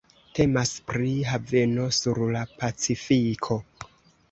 Temas pri haveno sur la Pacifiko.